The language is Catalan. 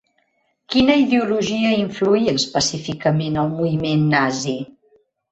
Quina ideologia influïa específicament el moviment nazi?